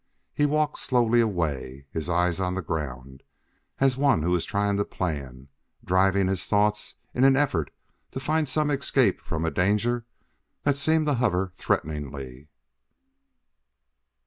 He walked slowly away, his eyes on the ground, as one who is trying to plan; driving his thoughts in an effort to find some escape from a danger that seemed to hover threateningly.